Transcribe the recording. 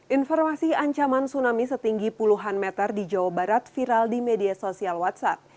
informasi ancaman tsunami setinggi puluhan meter di jawa barat viral di media sosial whatsapp